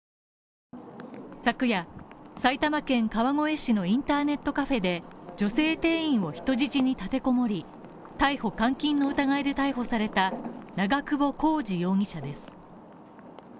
昨夜、埼玉県川越市のインターネットカフェで女性店員を人質に立てこもり逮捕監禁の疑いで逮捕された長久保浩二容疑者です。